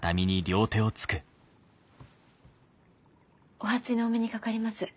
お初にお目にかかります。